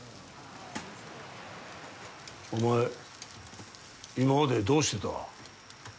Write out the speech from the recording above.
お前、今までどうしてた？